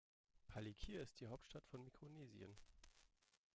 Palikir ist die Hauptstadt von Mikronesien.